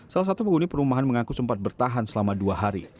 salah satu penghuni perumahan mengaku sempat bertahan selama dua hari